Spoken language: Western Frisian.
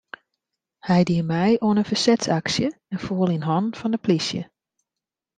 Hy die mei oan in fersetsaksje en foel yn hannen fan de polysje.